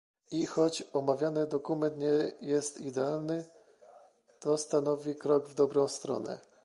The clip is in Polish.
I choć omawiany dokument nie jest idealny, to stanowi krok w dobrą stronę